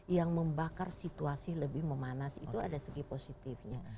yang membakar situasi lebih memanas itu ada segi positifnya